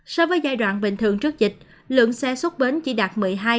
so với giai đoạn bình thường trước dịch lượng xe xuất bến chỉ đạt một mươi hai một mươi năm